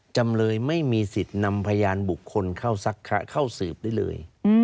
จำเลยไม่มีสิทธิ์นำพยานบุคคลเข้าสืบได้เลย